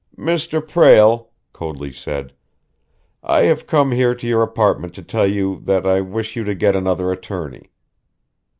"Mr. Prale," Coadley said, "I have come here to your apartment to tell you that I wish you to get another attorney."